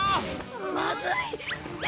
まずい！